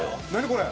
これ！